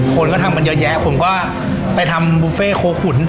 คนก็ทำกันเยอะแยะผมก็ไปทำบุฟเฟ่โคขุน